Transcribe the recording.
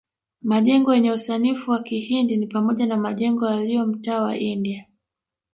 Majengo yenye usanifu wa kihindi ni pamoja na majengo yaliyo mtaa wa India